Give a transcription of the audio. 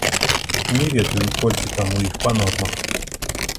Не ведаю, колькі там у іх па нормах.